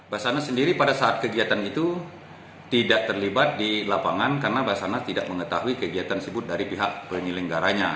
basanas sendiri pada saat kegiatan itu tidak terlibat di lapangan karena basana tidak mengetahui kegiatan sebut dari pihak penyelenggaranya